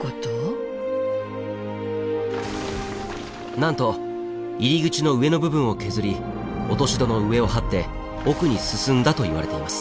なんと入り口の上の部分を削り落とし戸の上をはって奥に進んだといわれています。